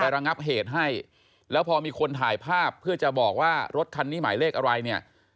ระงับเหตุให้แล้วพอมีคนถ่ายภาพเพื่อจะบอกว่ารถคันนี้หมายเลขอะไรเนี่ย